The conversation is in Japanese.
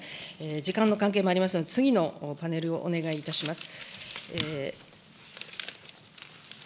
時間の関係もありますので、次のパネルをお願いいたします。